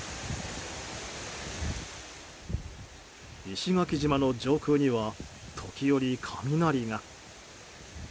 石垣島の上空には時折、雷が。